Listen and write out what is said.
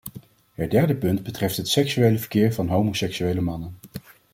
Het derde punt betreft het seksuele verkeer van homoseksuele mannen.